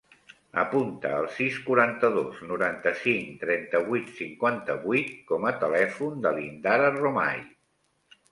Apunta el sis, quaranta-dos, noranta-cinc, trenta-vuit, cinquanta-vuit com a telèfon de l'Indara Romay.